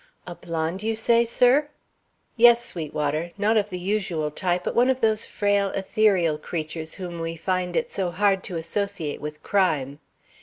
"A blonde, you say, sir?" "Yes, Sweetwater; not of the usual type, but one of those frail, ethereal creatures whom we find it so hard to associate with crime.